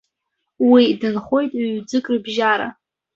Уи дынхоит ҩ-ӡык рыбжьара.